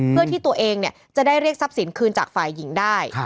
เพื่อที่ตัวเองจะได้เรียกทรัพย์สินคืนจากฝ่ายหญิงได้